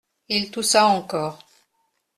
Il toussa encore.